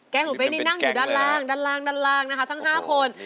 แก๊งของเฮ้นไปแหน้งอยู่ด้านล่างทั้ง๕คน